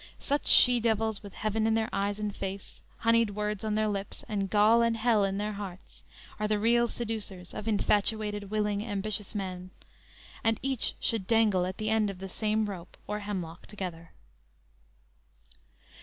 Such she devils, with heaven in their eyes and face, honeyed words on their lips, and gall and hell in their hearts, are the real seducers of infatuated, willing, ambitious man; and each should dangle at the end of the same rope or hemlock together!